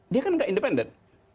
dia kan nggak independen